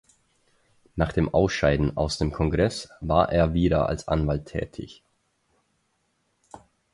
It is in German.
Nach dem Ausscheiden aus dem Kongress war er wieder als Anwalt tätig.